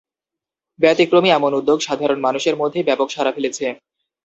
ব্যতিক্রমী এমন উদ্যোগ সাধারণ মানুষের মধ্যে ব্যাপক সাড়া ফেলেছে।